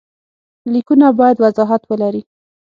لیکونه باید وضاحت ولري.